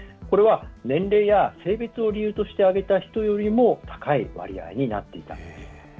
これは、年齢や性別を理由として挙げた人よりも高い割合になっていたと。